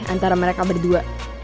antara mereka berdua